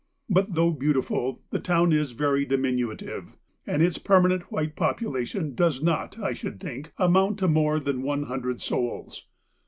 But though beautiful, the town is very diminutive, and its permanent white population does not, I should think, amount to more than one hundred souls.